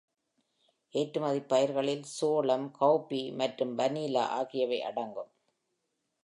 ஏற்றுமதி பயிர்களில் சோளம், காபி மற்றும் "பனீலா" ஆகியவை அடங்கும்.